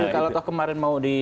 kalau kemarin mau di